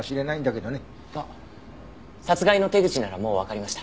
あっ殺害の手口ならもうわかりました。